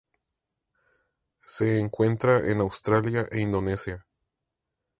Se encuentra en Australia e Indonesia.